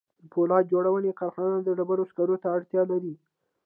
د پولاد جوړونې کارخانه د ډبرو سکارو ته اړتیا لري